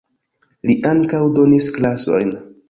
Li ankaŭ donis klasojn.